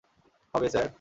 হবে, স্যার?